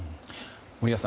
森保さん